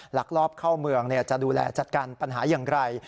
ลักลอบเข้าเมืองจะดูแลจัดการปัญหาอย่างไร